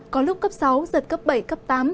có lúc cấp sáu dần cấp bảy cấp tám